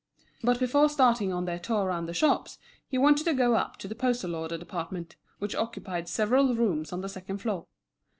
But before starting on their tour round the shops, he wanted to go up to the postal order department, which occupied several rooms on the second floor.